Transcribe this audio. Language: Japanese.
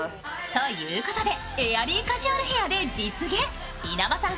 ということでエアリーカジュアルヘアで実現稲葉さん